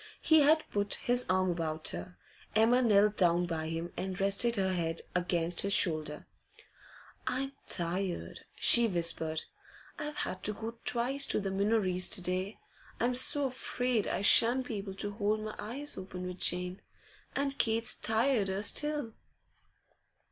He had put his arm about her. Emma knelt down by him, and rested her head against his shoulder. 'I'm tired,' she whispered. 'I've had to go twice to the Minories to day. I'm so afraid I shan't be able to hold my eyes open with Jane, and Kate's tireder still.